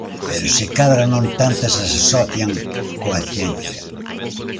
Pero, se cadra non tantas as asocian coa ciencia.